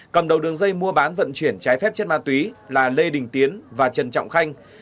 cầm đầu đường dây mua bán vận chuyển trái phép chất ma túy là lê đình tiến và trần trọng khanh